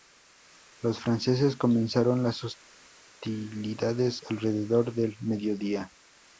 Los franceses comenzaron las hostilidades alrededor del mediodía.